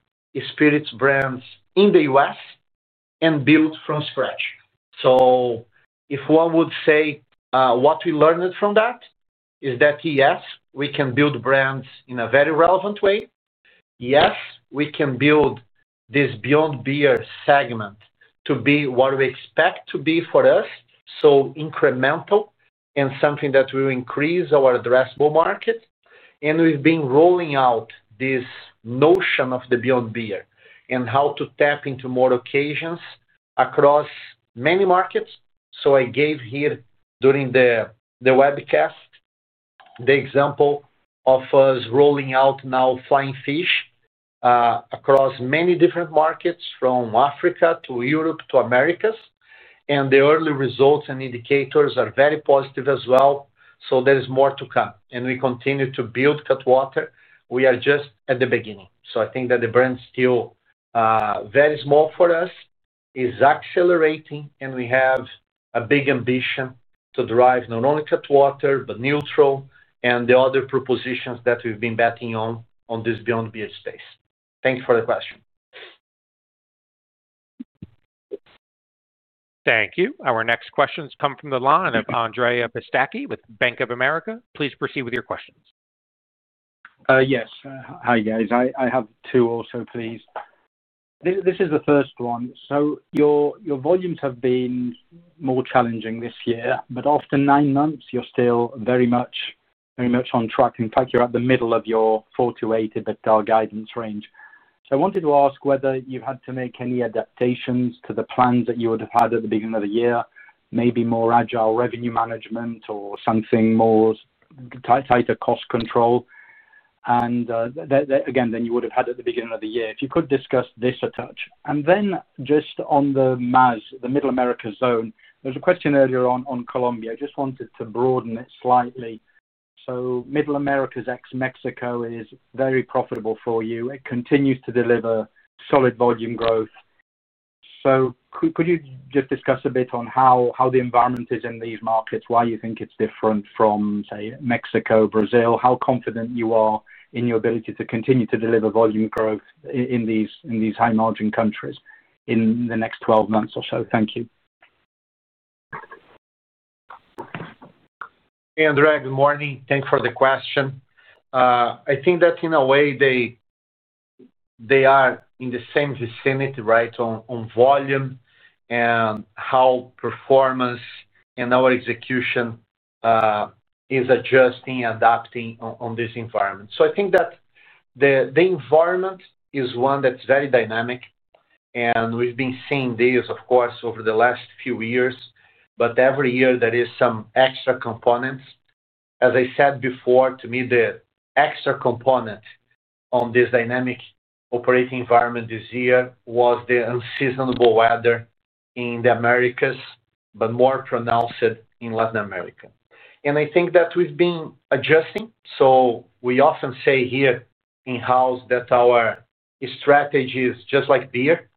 spirits brands in the U.S. and built from scratch. If one would say what we learned from that is that yes, we can build brands in a very relevant way, yes, we can build this Beyond Beer segment to be what we expect to be for us, so incremental and something that will increase our addressable market. We have been rolling out this notion of the Beyond Beer and how to tap into more occasions across many markets. I gave here during the webcast the example of us rolling out now Flying Fish across many different markets from Africa to Europe to Americas. The early results and indicators are very positive as well. There is more to come and we continue to build Cutwater. We are just at the beginning. I think that the brand, still very small for us, is accelerating and we have a big ambition to drive not only Cutwater but Neutral and the other propositions that we've been betting on in this Beyond Beer space. Thank you for the question. Thank you. Our next questions come from the line of Andrea Pistacchi with Bank of America. Please proceed with your questions. Yes. Hi guys. I have two also please. This is the first one. Your volumes have been more challenging this year, but after nine months you're still very much, very much on track. In fact, you're at the middle of your 4%-8% EBITDA guidance range. I wanted to ask whether you've had to make any adaptations to the plans that you would have had at. The beginning of the year. Maybe more agile revenue management or something more tighter cost control than you would have had at the beginning of the year. If you could discuss this a touch. Just on the MAZ, the Middle Americas Zone, there was a question earlier on Colombia. I just wanted to broaden it slightly. Middle Americas ex Mexico is very profitable for you. It continues to deliver solid volume growth. Could you just discuss a bit. On how the environment is in these markets, why you think it's different from, say, Mexico or Brazil, how confident you are. In your ability to continue to deliver. Volume growth in these high margin countries in the next 12 months or so. Thank you. Andrea, good morning. Thanks for the question. I think that in a way they are in the same vicinity right on volume and how performance and our execution is adjusting, adapting on this environment. I think that the environment is one that's very dynamic and we've been seeing this of course over the last few years. Every year there is some extra components. As I said before, to me, the extra component on this dynamic operating environment this year was the unseasonable weather in the Americas, but more pronounced in Latin America. I think that we've been adjusting. We often say here in house that our strategies, just like beer,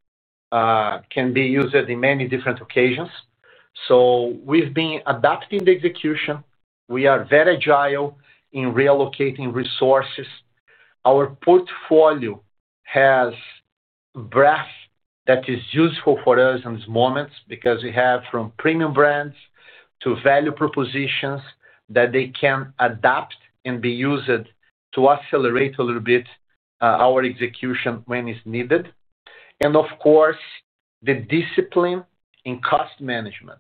can be used in many different occasions. We've been adapting the execution. We are very agile in reallocating resources. Our portfolio has breadth that is useful for us in this moment because we have from premium brands to value propositions that they can adapt and be used to accelerate a little bit our execution when it's needed. The discipline in cost management,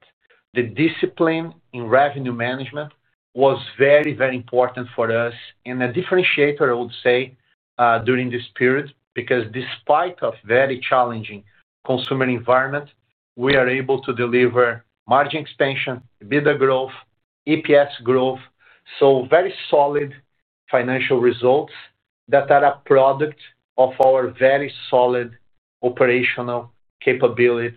the discipline in revenue management was very, very important for us. A differentiator, I would say, during this period because despite a very challenging consumer environment, we are able to deliver margin expansion, EBITDA growth, EPS growth. Very solid financial results that are a product of our very solid operational capabilities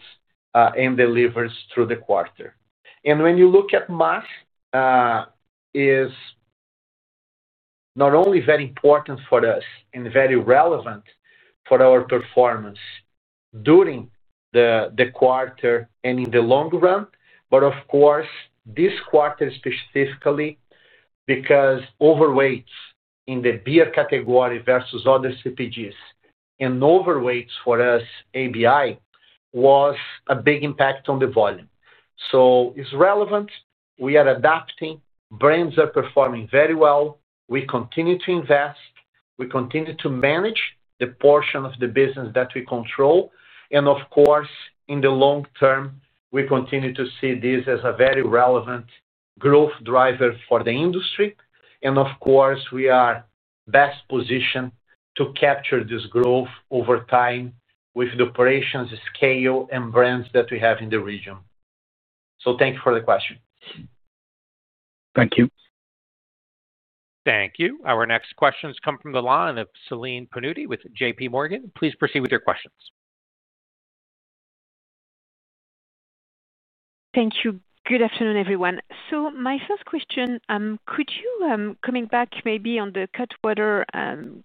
and delivers through the quarter. When you look at mass, it is not only very important for us and very relevant for our performance during the quarter and in the long run. This quarter specifically because overweight in the beer category versus other CPGs and overweight for us, AB InBev was a big impact on the volume. It is relevant. We are adapting, brands are performing very well, we continue to invest, we continue to manage the portion of the business that we control. In the long term we continue to see this as a very relevant growth driver for the industry. We are best positioned to capture this growth over time with the operations, scale, and brands that we have in the region. Thank you for the question. Thank you. Thank you. Our next questions come from the line of Celine Pannuti with JPMorgan. Please proceed with your questions. Thank you. Good afternoon everyone. My first question, could you, coming back maybe on the Cutwater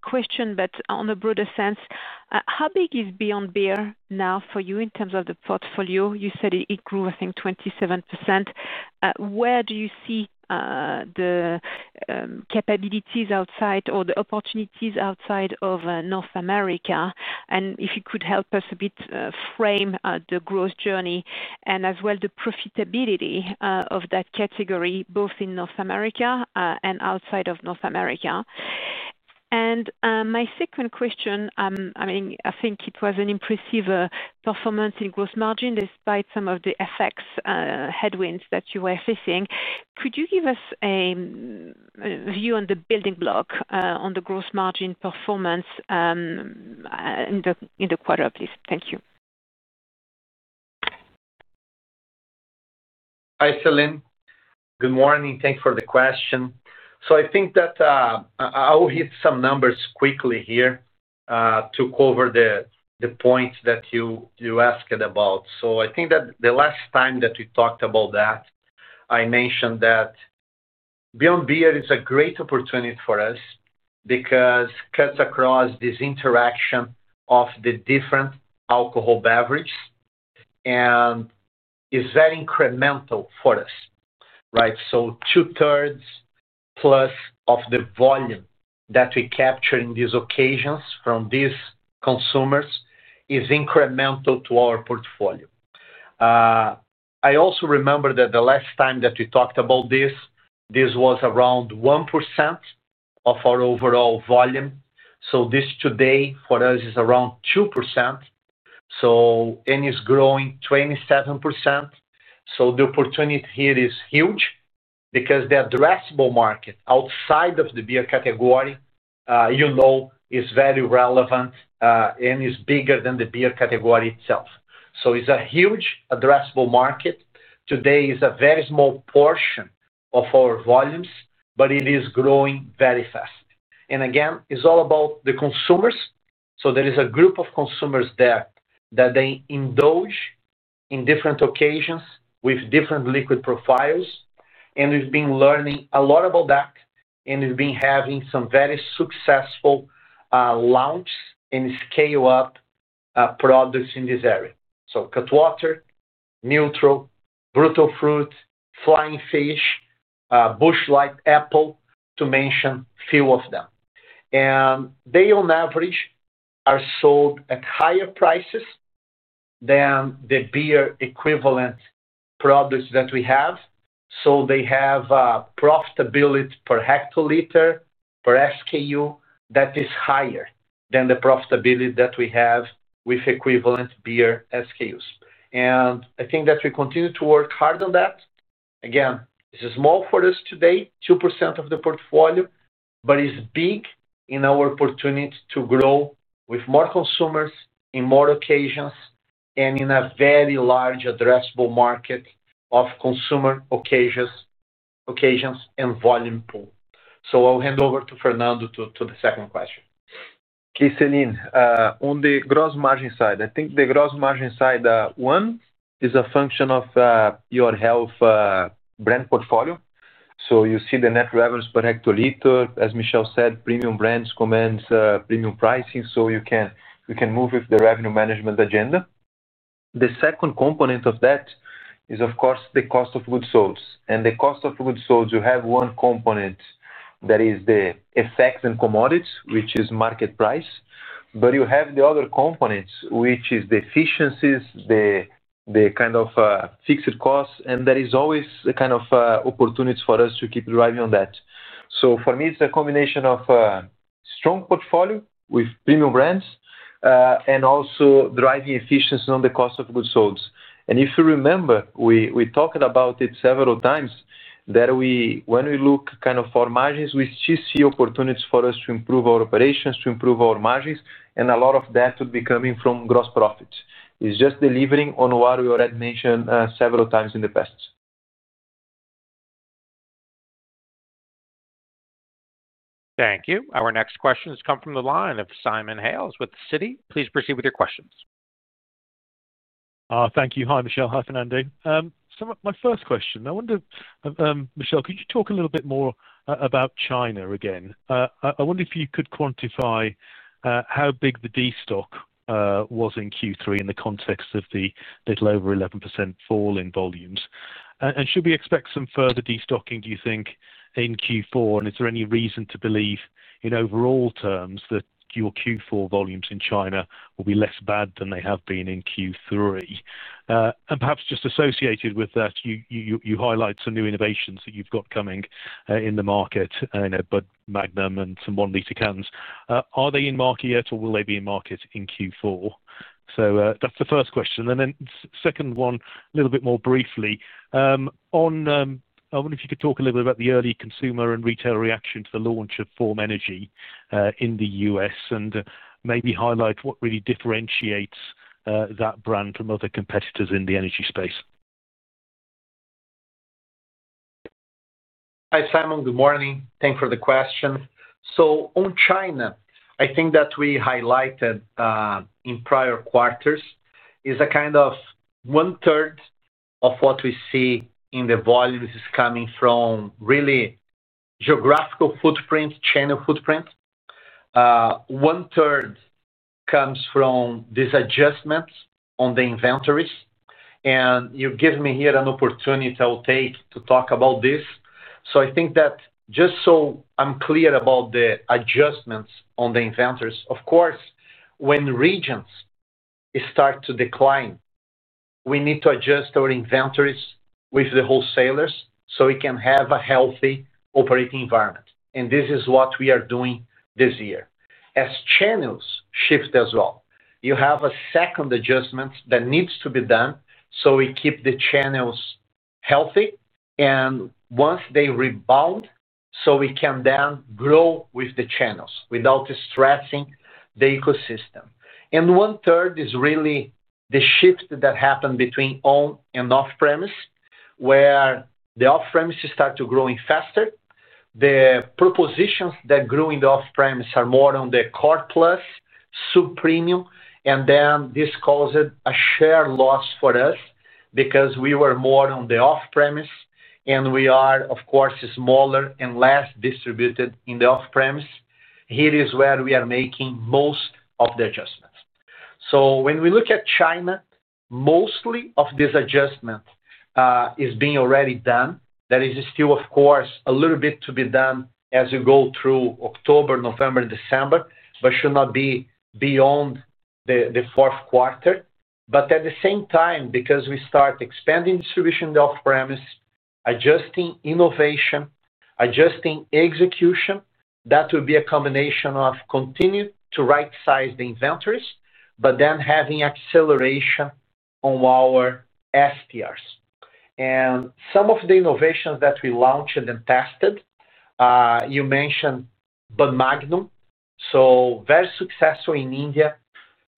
question, but in a broader sense, how big is beyond beer now for you in terms of the portfolio? You said it grew, I think, 27%. Where do you see the capabilities outside or the opportunities outside of North America? If you could help us a bit frame the growth journey and as well the profitability of that category both in North America and outside of North America. My second question, I think it was an impressive performance in gross margin despite some of the FX headwinds that you were facing. Could you give us a view on the building block on the gross margin performance in the quarter, please? Thank you. Hi Celine, good morning. Thanks for the question. I think that I'll hit some numbers quickly here to cover the points that you asked about. I think that the last time that we talked about that, I mentioned that beyond beer is a great opportunity for us because it cuts across this interaction of the different alcohol beverages and is incremental for us, right? 2/3+ of the volume that we capture in these occasions from these consumers is incremental to our portfolio. I also remember that the last time that we talked about this, this was around 1% of our overall volume. This today for us is around 2%. It is growing 27%. The opportunity here is huge because the addressable market outside of the beer category is very relevant and is bigger than the beer category itself. It is a huge addressable market. Today it is a very small portion of our volumes, but it is growing very fast. It is all about the consumers. There is a group of consumers there that indulge in different occasions with different liquid profiles. We have been learning a lot about that and we have been having some very successful launch and scale up products in this area. Cutwater, Neutral, Brutal Fruit, Flying Fish, Busch Light Apple, to mention a few of them. On average, they are sold at higher prices than the beer equivalent products that we have. They have profitability per hectoliter per SKU that is higher than the profitability that we have with equivalent beer SKUs. I think that we continue to work hard on that. This is small for us today, 2% of the portfolio, but it is big in our opportunity to grow with more consumers in more occasions and in a very large addressable market of consumer occasions and volume pool. I'll hand over to Fernando to. The second question, Celine. On the gross margin side, I think the gross margin side one is a function of your health brand portfolio. You see the net revenues per hectoliter, as Michel said, premium brands command premium pricing. You can move with the revenue management agenda. The second component of that is of course the cost of goods sold. In the cost of goods sold, you have one component that is the FX and commodities, which is market price, but you have the other components, which is the efficiencies, the kind of fixed costs. There is always a kind of opportunity for us to keep driving on that. For me, it's a combination of strong portfolio with premium brands and also driving efficiency on the cost of goods sold. If you remember, we talked about it several times that when we look for margins, we still see opportunities for us to improve our operations, to improve our margins, to improve. A lot of that would be coming from gross profit. It's just delivering on what we already mentioned several times in the past. Thank you. Our next questions come from the line of Simon Hales with Citi. Please proceed with your questions. Thank you. Hi Michel. Hi Fernando. My first question, I wonder, Michel, could you talk a little bit more about China? Again, I wonder if you could quantify how big the destock was in Q3 in the context of the little over 11% fall in volumes, and should we expect some further destocking, do you think, in Q4? Is there any reason to believe in overall terms that your Q4 volumes in China will be less bad than they have been in Q3? Perhaps just associated with that, you highlight some new innovations that you've got coming in the market. Magnum and some one liter cans, are they in market yet or will they be in market in Q4? That's the first question. The second one, a little bit more briefly, I wonder if you could talk a little bit about the early consumer and retail reaction to the launch of Form Energy in the U.S. and maybe highlight what really differentiates that brand from other competitors in the energy space. Hi Simon, good morning. Thanks for the question. On China, I think that what we highlighted in prior quarters is a kind of 1/3 of what we see in the volumes is coming from really geographical footprint, channel footprint. 1/3 comes from these adjustments on the inventories. You give me here an opportunity I'll take to talk about this. I think that just so I'm clear about the adjustments on the inventories, of course, when regions start to decline, we need to adjust our inventories with the wholesalers so we can have a healthy operating environment. This is what we are doing this year as channels shift as well. You have a second adjustment that needs to be done so we keep the channels healthy, and once they rebound, we can then grow with the channels without stressing the ecosystem. 1/3 is really the shift that happened between on and off premise, where the off premise started growing faster. The propositions that grew in the off premise are more on the core plus sub premium, and then this caused a share loss for us because we were more on the off premise, and we are of course smaller and less distributed in the off premise. Here is where we are making most of the adjustments. When we look at China, most of this adjustment is being already done. There is still, of course, a little bit to be done as you go through October, November, December, but should not be beyond the fourth quarter. At the same time, because we start expanding distribution off premise, adjusting innovation, adjusting execution. That will be a combination of continuing to right size the inventories, but then having acceleration on our STRs and some of the innovations that we launched and tested. You mentioned Magnum. Very successful in India,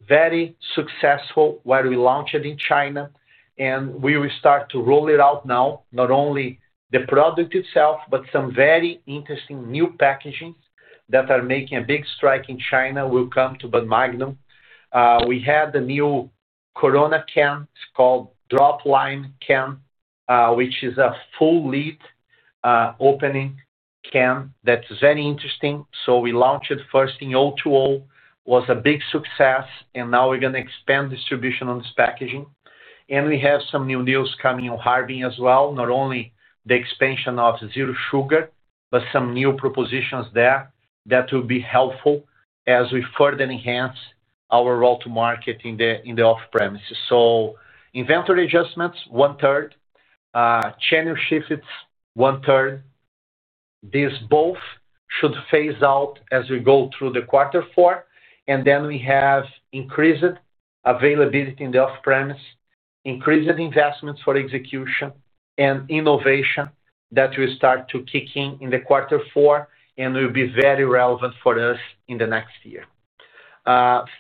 very successful where we launched it in China. We will start to roll it out now, not only the product itself, but some very interesting new packaging that is making a big strike in China will come to Magnum. We had the new Corona can called drop line can, which is a full lid opening can. That's very interesting. We launched it first in ZERO. 2.0 was a big success, and now we're going to expand distribution on this packaging. We have some new deals coming in Harbin as well, not only the expansion of Zero Sugar, but some new propositions there that will be helpful as we further enhance our route to market in the off-premise. Inventory adjustments, 1/3 channel shifts, 1/3, these both should phase out as we go through quarter four. We have increased availability in the off-premise, increased investments for execution and innovation that will start to kick in in quarter four and will be very relevant for us in the next year.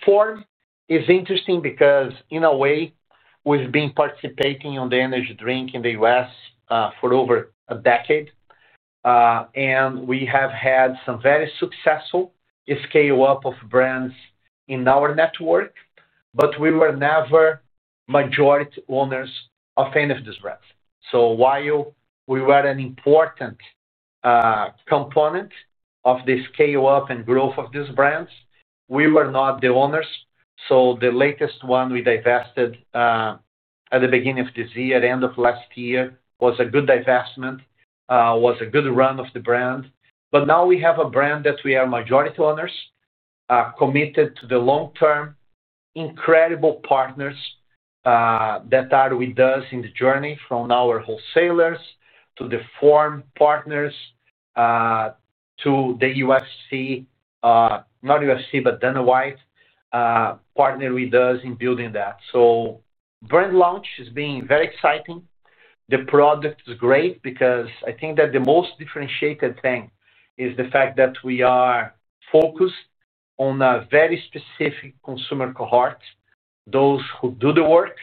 Form is interesting because in a way we've been participating in the energy drink in the U.S. for over a decade, and we have had some very successful scale up of brands in our network, but we were never majority owners of any of these brands. While we were an important component of the scale up and growth of these brands, we were not the owners. The latest one we divested at the beginning of this year, end of last year, was a good divestment, was a good run of the brand. Now we have a brand that we are majority owners, committed to the long term. Incredible partners that are with us in the journey from our wholesalers to the Form partners to the UFC. Not UFC, but Dana White partner with us in building that. Brand launch is being very exciting. The product is great because I think that the most differentiated thing is the fact that we are focused on a very specific consumer cohort, those who do the work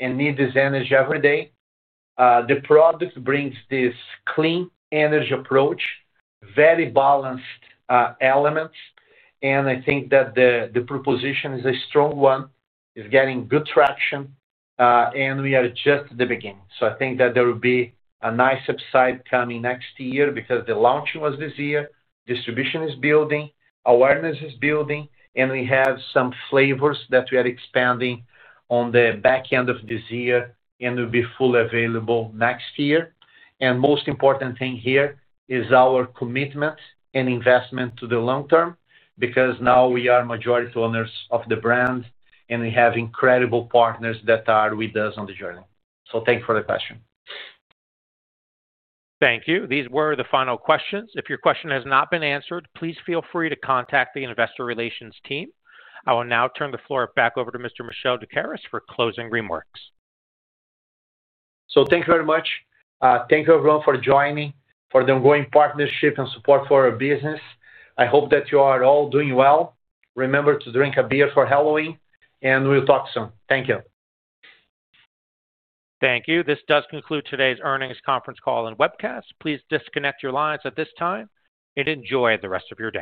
and need this energy every day. The product brings this clean energy approach, very balanced elements, and I think that the proposition is a strong one, is getting good traction, and we are just at the beginning. I think that there will be a nice upside coming next year because the launch was this year. Distribution is building, awareness is building, and we have some flavors that we are expanding on the back end of this year and will be fully available next year. The most important thing here is our commitment and investment to the long term, because now we are majority owners of the brand and we have incredible partners that are with us on the journey. Thanks for the question. Thank you. These were the final questions. If your question has not been answered, please feel free to contact the investor relations team. I will now turn the floor back over to Mr. Michel Doukeris for closing remarks. Thank you very much. Thank you, everyone, for joining, for the ongoing partnership and support for our business. I hope that you are all doing well. Remember to drink a beer for Halloween, and we'll talk soon. Thank you. Thank you. This does conclude today's earnings conference call and webcast. Please disconnect your lines at this time and enjoy the rest of your day.